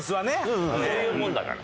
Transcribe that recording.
うんそういうもんだから。